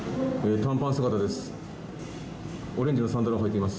短パン姿です。